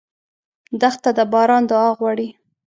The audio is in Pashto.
دښته د باران دعا غواړي.